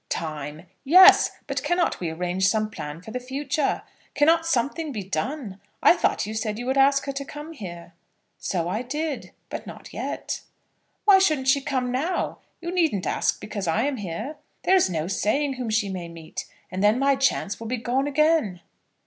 "Time; yes; but cannot we arrange some plan for the future? Cannot something be done? I thought you said you would ask her to come here?" "So I did, but not yet." "Why shouldn't she come now? You needn't ask because I am here. There is no saying whom she may meet, and then my chance will be gone again."